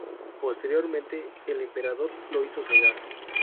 Posteriormente, el emperador lo hizo cegar.